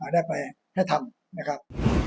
ได้ไปทำนะครับ